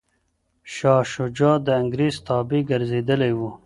شاه شجاع د انګریز تابع ګرځېدلی و.